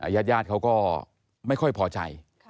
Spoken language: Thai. ญาติญาติเขาก็ไม่ค่อยพอใจ